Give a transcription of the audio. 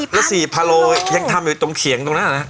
แล้ว๔พะโลยังทำอยู่ตรงเขียงตรงนั้น